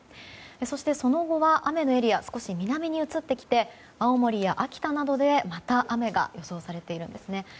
そして、その後は雨のエリアは少し南に移ってきて青森や秋田などでまた雨が予想されているんです。